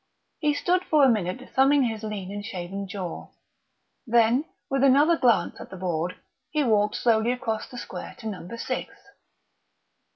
He stood for a minute thumbing his lean and shaven jaw; then, with another glance at the board, he walked slowly across the square to Number Six.